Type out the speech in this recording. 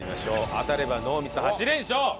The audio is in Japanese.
当たればノーミス８連勝！